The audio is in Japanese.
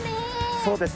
そうですね。